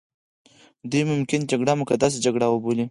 دوی ممکن جګړه مقدسه جګړه وبولي.